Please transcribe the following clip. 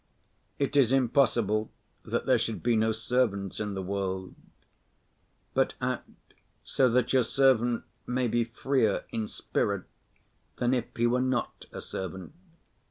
It is impossible that there should be no servants in the world, but act so that your servant may be freer in spirit than if he were not a servant.